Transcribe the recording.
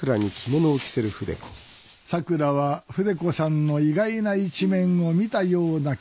さくらは筆子さんの意外な一面を見たような気がしておりました。